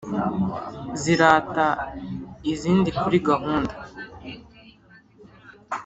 zirata izindi kuri gahunda